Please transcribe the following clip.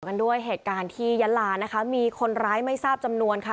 กันด้วยเหตุการณ์ที่ยะลานะคะมีคนร้ายไม่ทราบจำนวนค่ะ